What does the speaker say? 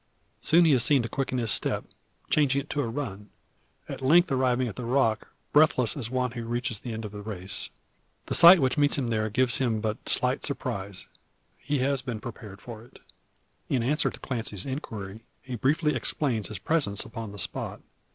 Soon he is seen to quicken his step, changing it to a run; at length arriving at the rock, breathless as one who reaches the end of a race. The sight which meets him there gives him but slight surprise. He has been prepared for it. In answer to Clancy's inquiry, he briefly explains his presence upon the spot.